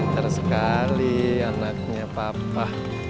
bener sekali anaknya papa